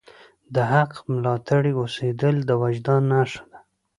د حق ملاتړی اوسیدل د وجدان نښه ده.